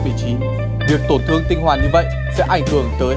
việc tổn thương tinh hoàn như vậy sẽ ảnh hưởng tới